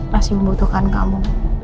masih membutuhkan kamu